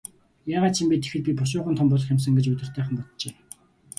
Яагаад ч юм бэ, тэгэхэд би бушуухан том болох юм сан гэж уйтгартайхан боджээ.